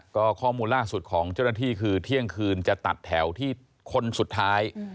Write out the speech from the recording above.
ก็ข้อมูลล่าสุดของเจ้าหน้าที่คือเที่ยงคืนจะตัดแถวที่คนสุดท้าย